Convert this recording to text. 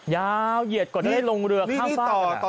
ยาวเหยียดกว่าจะได้ไปรถส่วนตัว